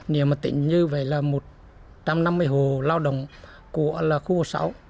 nếu tỉnh như vậy là một trăm năm mươi hồ lao động của khu phố sáu